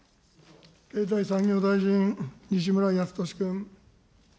経済産業大臣、西村康稔君。